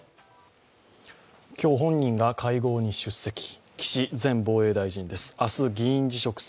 今日本人が会合に出席、岸前防衛大臣です。